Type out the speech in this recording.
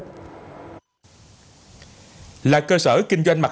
cảnh sát cơ động công an tỉnh bà rịa vũng tàu